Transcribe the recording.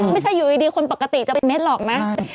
ไม่ใช่อยู่ดีคนปกติจะไปเม็ดหรอกนะ